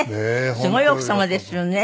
すごい奥様ですよね。